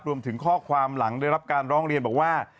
รวมถึงข้อความหลังได้รับการร้องเรียนบอกว่า